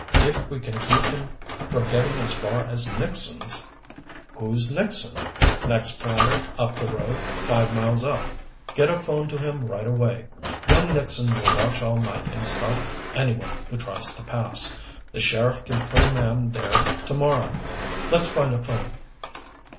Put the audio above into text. If we can keep him from getting as far as Nixon's " "Who's Nixon " "Next planter up the road, five miles up. Get a phone to him right away. Young Nixon will watch all night and stop any one who tries to pass. The sheriff can put a man there to morrow. Let's find a phone."